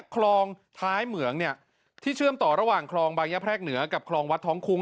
คลองท้ายเหมืองที่เชื่อมต่อระหว่างคลองบางยะแพรกเหนือกับคลองวัดท้องคุ้ง